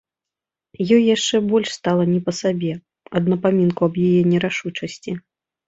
Ёй яшчэ больш стала не па сабе ад напамінку аб яе нерашучасці.